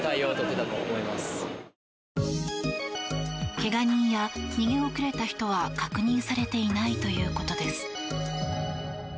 怪我人や逃げ遅れた人は確認されていないということです。